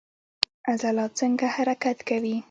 عضلات څنګه حرکت کوي؟